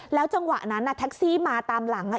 แล้วจังหวะนั้นน่ะแท็กซี่มาตามหลัง